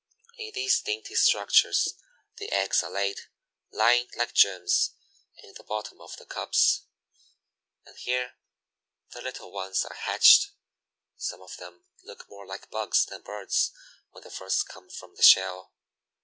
In these dainty structures the eggs are laid, lying like gems in the bottom of the cups, and here the little ones are hatched. Some of them look more like bugs than birds when they first come from the shell.